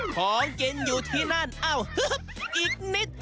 ของกินอยู่ที่นั่นอ้าวฮึบอีกนิด